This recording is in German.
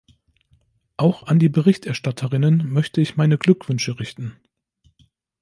Auch an die Berichterstatterinnen möchte ich meine Glückwünsche richten.